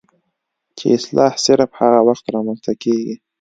چې اصلاح صرف هغه وخت رامنځته کيږي